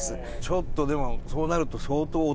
ちょっとでもそうなると。